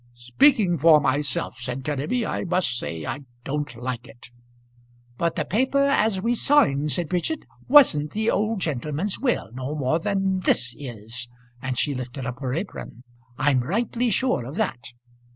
"Speaking for myself," said Kenneby, "I must say I don't like it." "But the paper as we signed," said Bridget, "wasn't the old gentleman's will, no more than this is;" and she lifted up her apron. "I'm rightly sure of that."